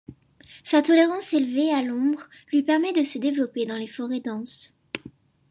Sa tolérance élevée à l'ombre lui permet de se développer dans les forêts denses.